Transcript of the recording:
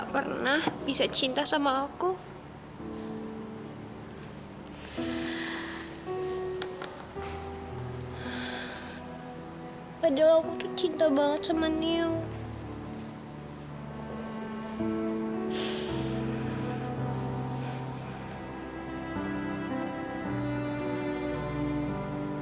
padahal aku tuh cinta banget sama neo